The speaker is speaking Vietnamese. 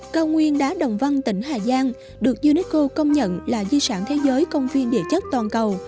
cao nguyên đá đồng văn tỉnh hà giang được unesco công nhận là di sản thế giới công viên địa chất toàn cầu